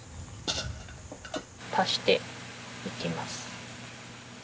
足していきます。